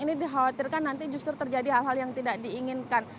ini dikhawatirkan nanti justru terjadi hal hal yang tidak diinginkan